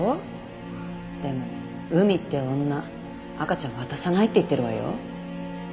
でも海って女赤ちゃん渡さないって言ってるわよ。